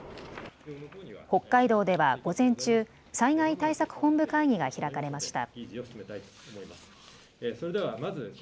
北海道では午前中、災害対策本部会議が開かれました。